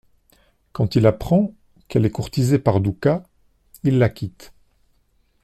Quand il apprend qu'elle est courtisée par Doukas, il la quitte.